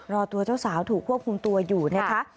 รอตัวเจ้าสาวถูกควบคุมตัวอยู่นะคะ